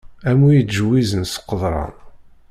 Am wi ittǧewwizen s qeḍran.